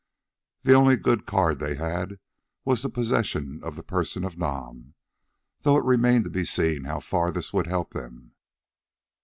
The only good card they held was the possession of the person of Nam, though it remained to be seen how far this would help them.